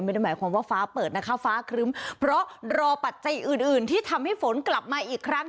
ไม่ได้หมายความว่าฟ้าเปิดนะคะฟ้าครึ้มเพราะรอปัจจัยอื่นอื่นที่ทำให้ฝนกลับมาอีกครั้ง